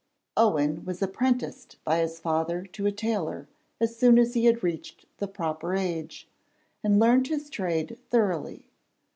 Owen was apprenticed by his father to a tailor as soon as he had reached the proper age, and learnt his trade thoroughly.